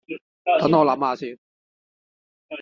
等我諗吓先